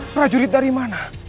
prajurit dari mana